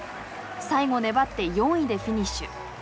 最後粘って４位でフィニッシュ。